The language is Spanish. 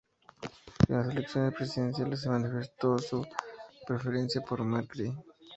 En las elecciones presidenciales, manifestó su preferencia por Macri.